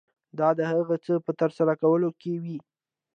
دا د هغه څه په ترسره کولو کې وي.